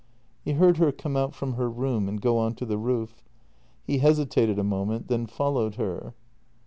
He heard her come out from her room and go on to the roof. He hesitated a moment, then followed her.